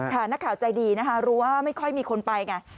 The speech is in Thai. นักข่าวใจดีนะคะรู้ว่าไม่ค่อยมีคนไปไง